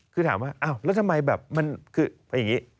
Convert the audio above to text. คือถามว่าอ้าวแล้วทำไมแบบมันคืออย่างนี้